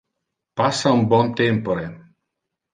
Passa un bon tempore.